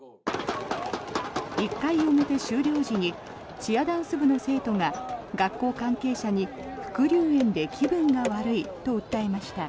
１回表終了時にチアダンス部の生徒が学校関係者に、副流煙で気分が悪いと訴えました。